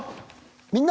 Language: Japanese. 「みんな！